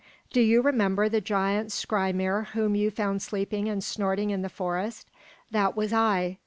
Do you remember the giant Skrymir whom you found sleeping and snoring in the forest? That was I.